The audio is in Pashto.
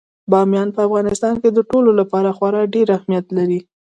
بامیان په افغانستان کې د ټولو لپاره خورا ډېر اهمیت لري.